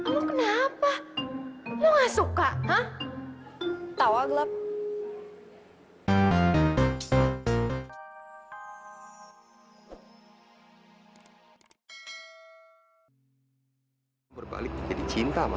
lo kenapa lo gak suka ha